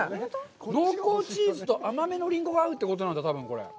濃厚チーズと甘めのリンゴが合うってことなんだ。